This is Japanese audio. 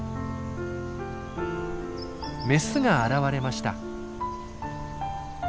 メスが現れました。